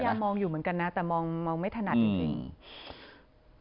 ยังมองอยู่เหมือนกันนะแต่มองไม่ถนัดจริง